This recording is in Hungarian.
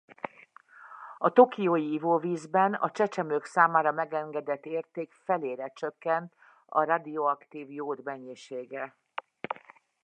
A tokiói ivóvízben a csecsemők számára megengedett érték felére csökkent a radioaktív jód mennyisége.